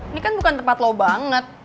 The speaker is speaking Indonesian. ini kan bukan tempat low banget